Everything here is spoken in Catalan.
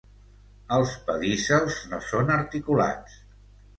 Els pedicels no són articulats.